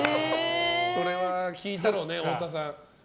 それは効いたろうね、太田さん。